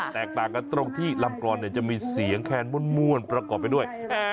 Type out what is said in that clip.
แตกต่างกันตรงที่ลำกรอนจะมีเสียงแคนม่วนประกอบไปด้วย